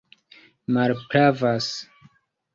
malpravas